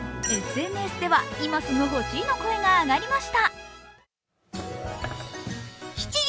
ＳＮＳでは今すぐ欲しいの声が相次ぎました。